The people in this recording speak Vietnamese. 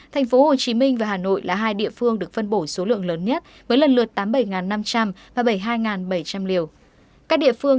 thành phố hồ chí minh và hà nội là hai địa phương được phân bổ số lượng lớn nhất với lần lượt tám mươi bảy năm trăm linh và bảy mươi hai bảy trăm linh liều